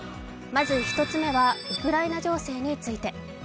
まず１つ目はウクライナ情勢について。